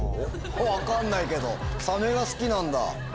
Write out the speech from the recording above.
分かんないけどサメが好きなんだ。